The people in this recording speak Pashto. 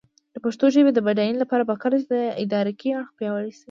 د پښتو ژبې د بډاینې لپاره پکار ده چې ادراکي اړخ پیاوړی شي.